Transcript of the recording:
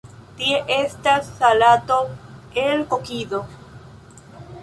Tie estas salato el kokido.